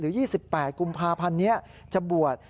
๒๗หรือ๒๘คุณพาพันธ์นี้จะบวด